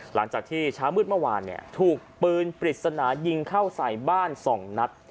หลังจากที่เช้ามืดเมื่อวานถูกปืนปริศนายิงเข้าใส่บ้าน๒นัด